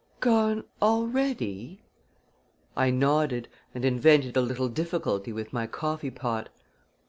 "Gone already?" I nodded and invented a little difficulty with my coffee pot.